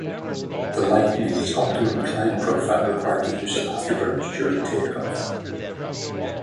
The Lightning's optimum climb profile required the use of afterburners during takeoff.